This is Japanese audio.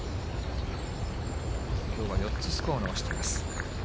きょうは４つスコアを伸ばしています。